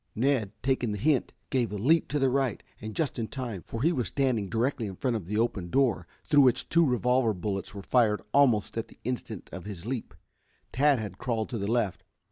Ned, taking the hint, gave a leap to the right, and just in time, for he was standing directly in front of the open door, through which two revolver bullets were fired almost at the instant of his leap. Tad had crawled to the left.